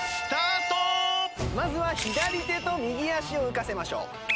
まずは左手と右足を浮かせましょう。